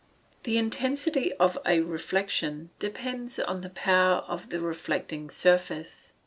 _ The intensity of a reflection depends upon the power of the reflecting surface.